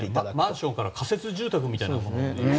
マンションから仮設住宅になったみたいな。